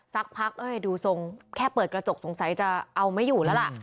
สักพักเอ้ยดูทรงแค่เปิดกระจกสงสัยจะเอาไม่อยู่แล้วล่ะ